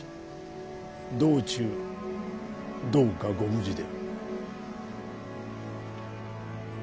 道中どうかご無事で。